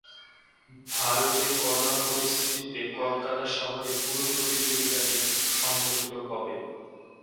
ভারতে করোনা পরিস্থিতিতে কলকাতা শহরে পুরো প্রতিযোগিতাটি সংঘটিত হবে।